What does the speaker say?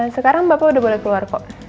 sekarang bapak udah boleh keluar kok